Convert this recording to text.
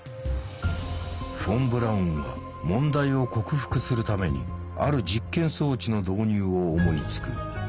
フォン・ブラウンは問題を克服するためにある実験装置の導入を思いつく。